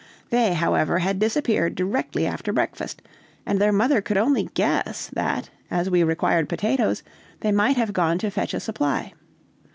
They, however, had disappeared directly after breakfast, and their mother could only guess, that, as we required potatoes, they might have gone to fetch a supply.